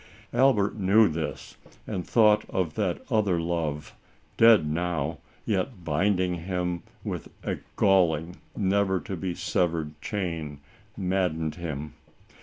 Albert knew this, and the thought of that other love, dead now, yet binding him with a galling, never to be severed chain, maddened him.